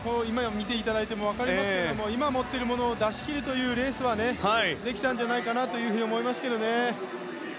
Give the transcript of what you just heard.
今見ても分かりますが今、持っているものを出し切るレースはできたんじゃないかと思いますけどね。